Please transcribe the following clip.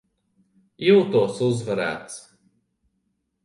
Jūtos uzvarēts.